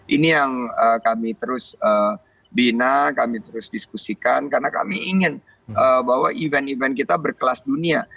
ini yang kami terus bina kami terus diskusikan karena kami ingin bahwa event event kita berkelas dunia